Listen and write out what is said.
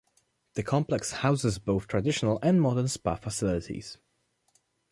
The complex houses both traditional and modern spa facilities.